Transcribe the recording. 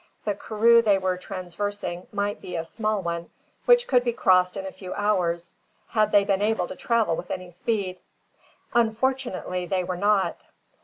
The karroo they were traversing, might be a small one, which could be crossed in a few hours had they been able to travel with any speed. Unfortunately, they were not.